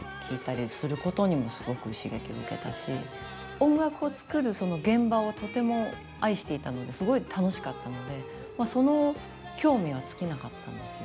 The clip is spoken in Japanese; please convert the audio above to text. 音楽を作る現場をとても愛していたのですごい楽しかったのでその興味は尽きなかったんですよ。